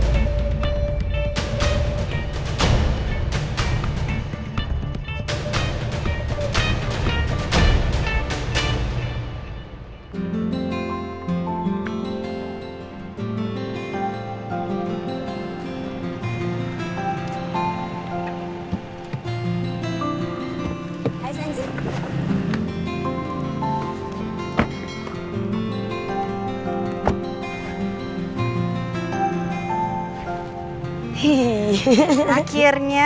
surat apa ini